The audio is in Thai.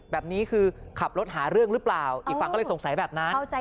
แบบนี้คือขับรถหาเรื่องหรือเปล่าอีกฝั่งก็เลยสงสัยแบบนั้น